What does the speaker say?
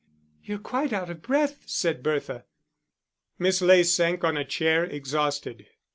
"You're quite out of breath," said Bertha. Miss Ley sank on a chair, exhausted.